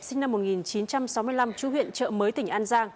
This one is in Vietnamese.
sinh năm một nghìn chín trăm sáu mươi năm chú huyện trợ mới tỉnh an giang